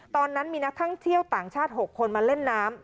ตอนนั้นมีนักท่องเที่ยวต่างชาติ๖คนมาเล่นน้ำ